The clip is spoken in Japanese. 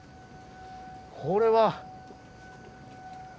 これは。